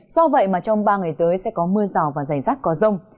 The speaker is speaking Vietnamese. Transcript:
do vậy trong ba ngày tới sẽ có mưa giò và giải rác có rông